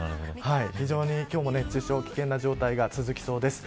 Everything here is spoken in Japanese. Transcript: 非常に今日も、熱中症危険な状態が続きそうです。